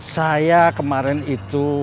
saya kemarin itu